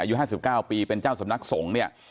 อายุ๕๙ปีเป็นเจ้าสำนักสงฆ์เนี่ย